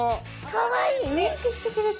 かわいい！